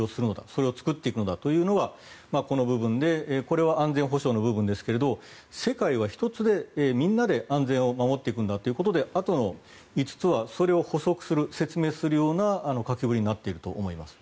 それを作っていくんだというのがこの部分でこれは安全保障の部分ですが世界は１つで、みんなで安全を守っていくんだということであとの５つはそれを補足する説明するような言葉になっていると思います。